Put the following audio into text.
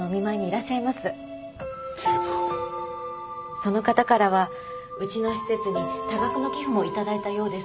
その方からはうちの施設に多額の寄付も頂いたようです。